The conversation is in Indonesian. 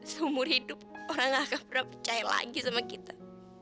seumur hidup orang akan pernah percaya lagi sama kita